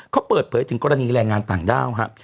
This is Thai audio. เขาเปิดเผยถึงกรณีแรงงานต่างด้าวครับ